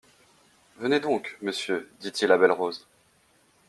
Venez donc, monsieur, dit-il à Belle-Rose.